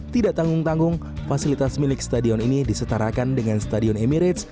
tidak tanggung tanggung fasilitas milik stadion ini disetarakan dengan stadion emirates